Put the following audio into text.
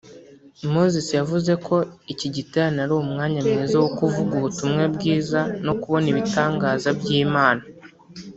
Moses yavuze ko iki giterane ari umwanya mwiza wo kuvuga ubutumwa bwiza no kubona ibitangaza by’Imana